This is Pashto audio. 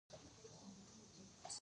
هغه د تحریریه هیئت غړی دی.